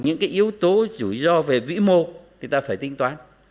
những cái yếu tố rủi ro về vĩ mô thì ta phải tính toán